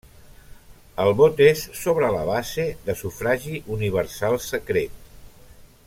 El vot és sobre la base de sufragi universal secret.